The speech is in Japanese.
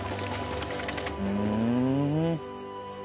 ふん！